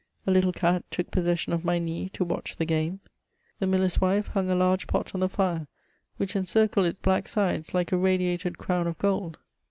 A little cat took possession of my knee, to watch the game. The miller's wife hung a large pot on the fire, vi hich encircled its black sides like a radiated crown of gold.